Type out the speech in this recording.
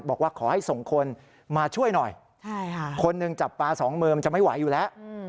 บอกว่าขอให้ส่งคนมาช่วยหน่อยคนหนึ่งจับปลาสองมือมันจะไม่ไหวอยู่แล้ว